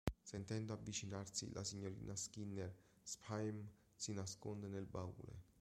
Sentendo avvicinarsi la signorina Skinner, Spy'em si nasconde nel baule.